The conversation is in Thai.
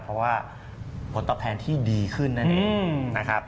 เพราะว่าผลตอบแทนที่ดีขึ้นนั่นเองนะครับ